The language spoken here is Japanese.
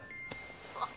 あっ。